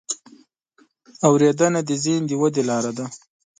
اورېدنه د ذهن د ودې لاره ده.